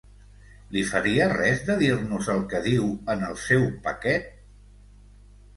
Li faria res de dir-nos el que diu en el seu paquet?